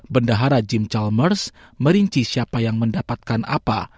bendahara jim charlemers merinci siapa yang mendapatkan apa